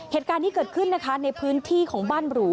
เหตุการณ์นี้เกิดขึ้นนะคะในพื้นที่ของบ้านหรู